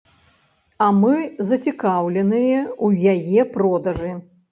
А мы зацікаўленыя ў яе продажы.